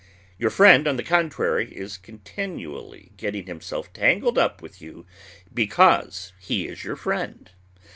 Your friend, on the contrary, is continually getting himself tangled up with you "because he is your friend."